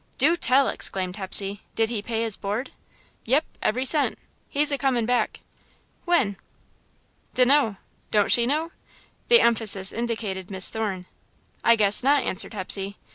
"Do tell!" exclaimed Hepsey. "Did he pay his board?" "Yep, every cent. He's a comin' back." "When?" "D'know. Don't she know?" The emphasis indicated Miss Thorne. "I guess not," answered Hepsey.